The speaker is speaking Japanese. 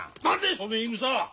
その言いぐさは！